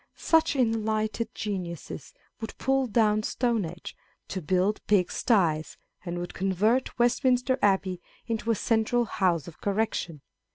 Such enlightened geniuses would pull down Stonehenge to build pig sties, and would convert West minster Abbey into a central House of Correction.